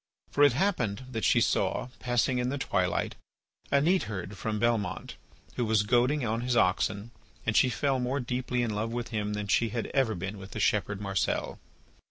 For it happened that she saw passing in the twilight a neatherd from Belmont, who was goading on his oxen, and she fell more deeply in love with him than she had ever been with the shepherd Marcel.